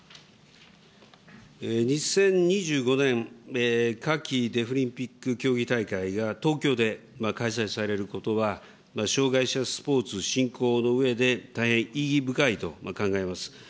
２０２５年、夏季デフリンピック競技大会が東京で開催されることは、障害者スポーツ振興のうえで、大変意義深いと考えます。